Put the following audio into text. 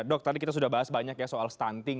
dok tadi kita sudah bahas banyak ya soal stunting